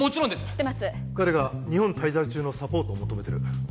知ってます彼が日本滞在中のサポートを求めてる